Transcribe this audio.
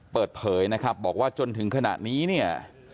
เปิดเผยนะครับบอกว่าจนถึงขนาดนี้